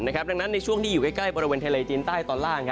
ดังนั้นในช่วงที่อยู่ใกล้บริเวณทะเลจีนใต้ตอนล่าง